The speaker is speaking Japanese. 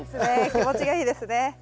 気持ちがいいですね。